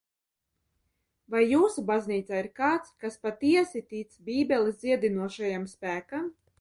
Vai jūsu baznīcā ir kāds, kurš patiesi tic Bībeles dziedinošajam spēkam?